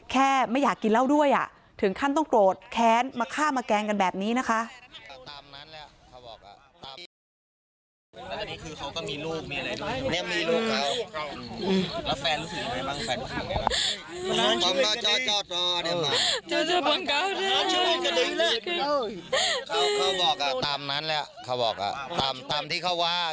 ไม่อยากกินเหล้าด้วยถึงขั้นต้องโกรธแค้นมาฆ่ามาแกล้งกันแบบนี้นะคะ